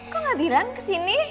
kok gak bilang kesini